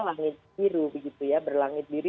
langit biru begitu ya berlangit biru